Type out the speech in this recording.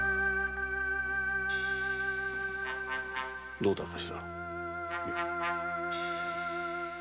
どうだ頭？